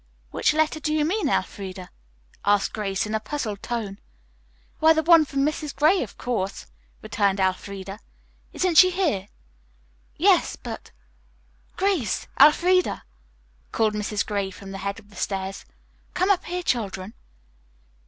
"Which letter do you mean, Elfreda?" asked Grace in a puzzled tone. "Why the one from Mrs. Gray, of course," returned Elfreda. "Isn't she here?" "Yes, but " "Grace! Elfreda!" called Mrs. Gray from the head of the stairs, "come up here, children."